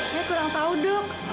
saya kurang tahu dok